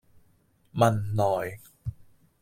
汶萊